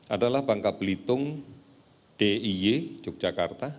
adalah bangka belitung diy yogyakarta